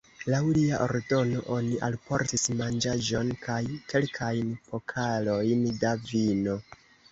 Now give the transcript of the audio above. Laŭ lia ordono oni alportis manĝaĵon kaj kelkajn pokalojn da vino.